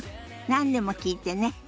何でも聞いてね。